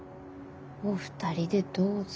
お二人でどうぞ。